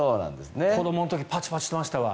子どもの時パチパチしてましたわ。